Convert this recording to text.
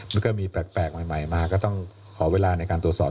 มันก็มีแปลกใหม่มาก็ต้องขอเวลาในการตรวจสอบ